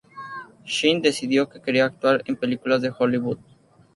Shin decidió que quería actuar en películas de Hollywood.